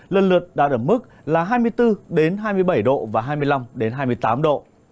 lần lượt đạt ở mức là hai mươi bốn hai mươi bảy độ và hai mươi năm hai mươi tám độ